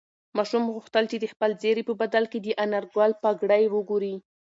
ماشوم غوښتل چې د خپل زېري په بدل کې د انارګل پګړۍ وګوري.